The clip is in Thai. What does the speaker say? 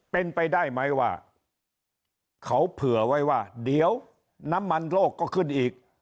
เป็นไปได้ไหมว่าเขาเผื่อไว้ว่าเดี๋ยวน้ำมันโลกก็ขึ้นอีก